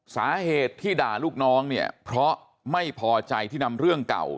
สาเหตุที่ด่าลูกน้องเนี่ยเพราะไม่พอใจที่นำเรื่องเก่า